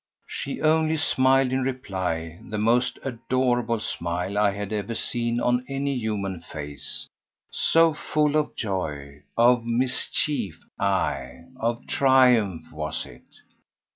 She only smiled in reply, the most adorable smile I had ever seen on any human face, so full of joy, of mischief—aye, of triumph, was it.